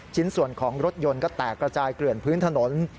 ชิ้นส่วนของรถยนต์ก็แตกระจายเกลื่อนพื้นถนน